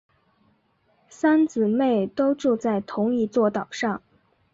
三姊妹都住在同一座岛上。